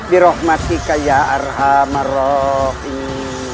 dirahmatika ya arhamarrahim